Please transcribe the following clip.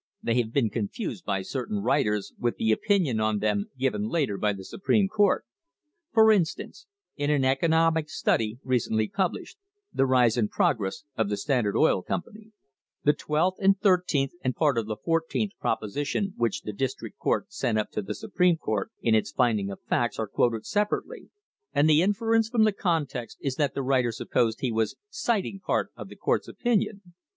* They have been confused by certain writers with the opinion on them given later by the Supreme Court; for instance, in an economic study recently published "The Rise and Progress of the Standard Oil Company," the twelfth and thirteenth and part of the fourteenth proposition which the District Court sent up to the Supreme Court in its "findings of facts" are quoted separately, and the inference from the context is that the writer supposed he was citing part of the court's opinion.